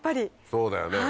そうだよね。